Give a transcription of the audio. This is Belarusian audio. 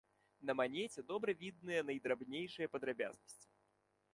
На манеце добра відныя найдрабнейшыя падрабязнасці.